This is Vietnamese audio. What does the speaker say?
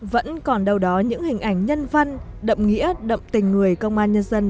vẫn còn đâu đó những hình ảnh nhân văn đậm nghĩa đậm tình người công an nhân dân